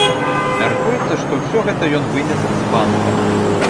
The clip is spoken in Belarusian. Мяркуецца, што ўсё гэта ён вынес з банка.